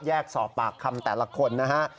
สอบปากคำแต่ละคนนะฮะ